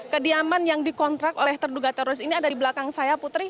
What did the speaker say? kediaman yang dikontrak oleh terduga teroris ini ada di belakang saya putri